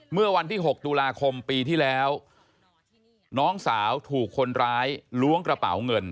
เมื่อวันที่๖ตุลาคมปีที่แล้วน้องสาวถูกคนร้ายล้วงกระเป๋าเงิน